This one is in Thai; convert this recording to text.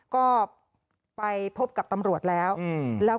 ก็ไปพบกับตำรวจแล้วแล้ว